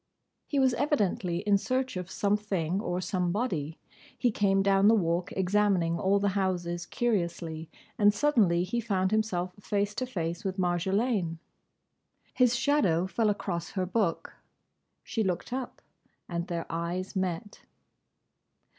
He was evidently in search of something or somebody. He came down the Walk examining all the houses curiously; and suddenly he found himself face to face with Marjolaine. His shadow fell across her book. She looked up; and their eyes met.